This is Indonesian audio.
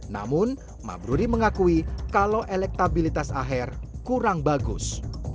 namun mabruri mengakui kalau elektabilitas aher kurang bagus